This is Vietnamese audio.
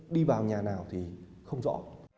đi vào nhà nào thì không rõ